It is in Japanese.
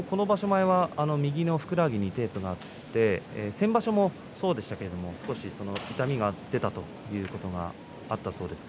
前は右のふくらはぎにテープがあって先場所もそうでしたが痛みが出たということがあったそうです。